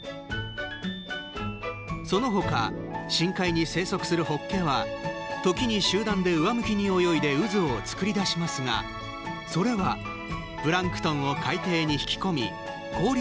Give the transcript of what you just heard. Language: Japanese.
そのほか深海に生息するホッケは時に集団で上向きに泳いで渦を作り出しますがそれはプランクトンを海底に引き込み効率